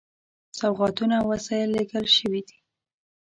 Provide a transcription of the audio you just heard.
سوغاتونه او وسایل لېږل شوي دي.